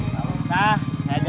gak usah saya jalan kaki aja